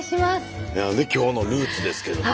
今日のルーツですけども。